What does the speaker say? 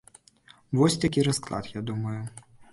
Вось такі расклад, я думаю.